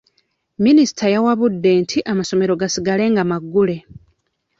Minisita yawabudde nti amasomero gasigale nga maggule.